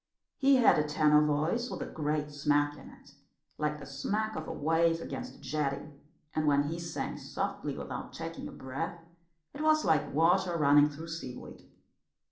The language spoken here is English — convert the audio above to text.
He had a tenor voice with a great smack in it, like the smack of a wave against a jetty, and when he sang softly without taking a breath it was like water running through seaweed.